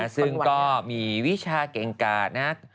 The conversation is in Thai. ซึ่งก็มีวิชาเก่งกาดนะครับ